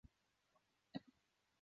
所以我跟你同房吗？